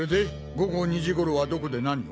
午後２時頃はどこで何を？